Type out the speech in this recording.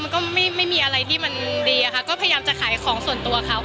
มันก็ไม่มีอะไรที่มันดีอะค่ะก็พยายามจะขายของส่วนตัวเขา